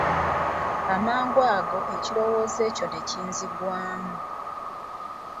Amangu ago ekirowoozo ekyo ne kinzigwamu.